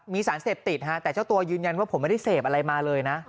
มีสารเสพติดฮะแต่เจ้าตัวยืนยันว่าผมไม่ได้เสพอะไรมาเลยนะ